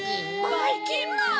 ばいきんまん！